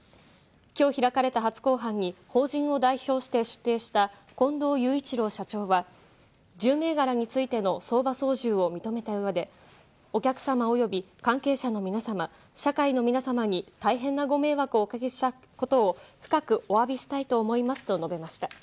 今日開かれた初公判に法人を代表して出廷した近藤雄一郎社長は１０銘柄についての相場操縦を認めた上で、お客様および関係者の皆様、社会の皆様に大変なご迷惑をおかけしたことを深くお詫びしたいと思いますと述べました。